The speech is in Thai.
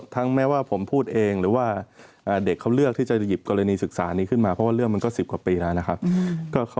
ทั้งแม้ว่าผมพูดเองหรือว่าเด็กเขาเลือกที่จะหยิบกรณีศึกษานี้ขึ้นมา